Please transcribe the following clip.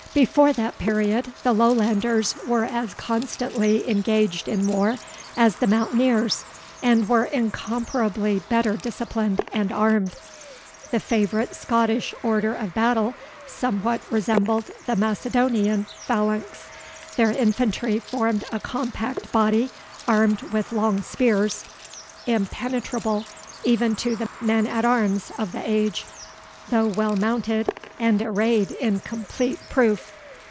Before that period, the Lowlanders were as constantly engaged in war as the mountaineers, and were incomparably better disciplined and armed. The favourite Scottish order of battle somewhat resembled the Macedonian phalanx. Their infantry formed a compact body, armed with long spears, impenetrable even to the men at arms of the age, though well mounted, and arrayed in complete proof.